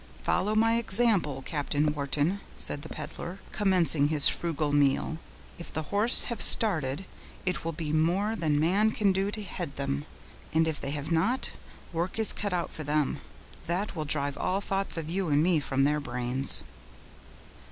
"Follow my example, Captain Wharton," said the peddler, commencing his frugal meal. "If the horse have started, it will be more than man can do to head them; and if they have not, work is cut out for them, that will drive all thoughts of you and me from their brains."